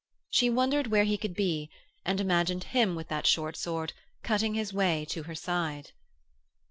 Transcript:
She wondered where he could be, and imagined him with that short sword, cutting his way to her side.